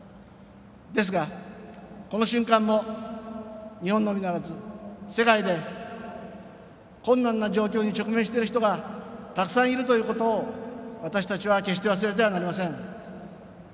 ですが、この瞬間も日本のみならず世界で困難な状況に直面している人がたくさんいるということを私たちは決して忘れてはなりません。